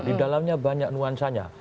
di dalamnya banyak nuansanya